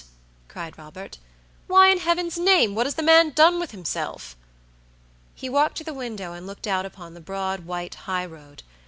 cried Robert. "Why, in heaven's name, what has the man done with himself?" He walked to the window and looked out upon the broad, white high road.